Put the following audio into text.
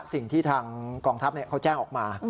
สิ่งที่ทางกองทัพเขาแจ้งออกมา